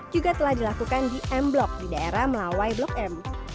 juga telah dilakukan di m blok di daerah melawai blok m